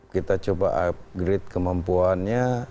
kita coba upgrade kemampuannya